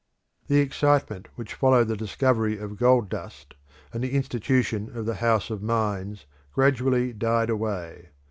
The excitement which followed the discovery of gold dust, and the institution of the House of Mines, gradually died away.